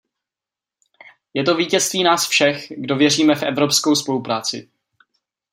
Je to vítězství nás všech, kdo věříme v evropskou spolupráci.